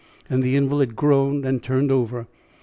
And the invalid groaned and turned over.